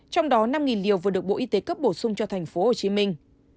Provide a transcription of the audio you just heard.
trong đó năm liều vừa được bộ y tế cấp bổ sung cho thành phố hồ chí minh